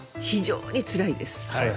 非常につらいです。